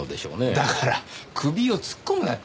だから首を突っ込むなって。